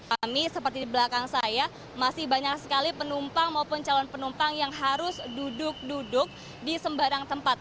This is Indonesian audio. ami seperti di belakang saya masih banyak sekali penumpang maupun calon penumpang yang harus duduk duduk di sembarang tempat